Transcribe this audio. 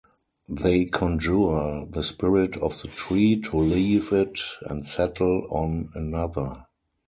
They conjure the spirit of the tree to leave it and settle on another.